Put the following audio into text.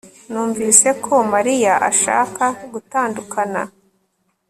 Numvise ko Mariya ashaka gutandukana